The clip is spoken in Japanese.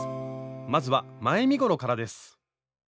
まずは前身ごろからです。